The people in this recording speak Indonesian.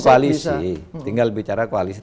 koalisi tinggal bicara koalisi